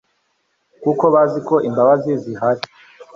kuko bazi ko imbabazi zihari